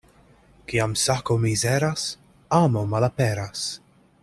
Kiam sako mizeras, amo malaperas.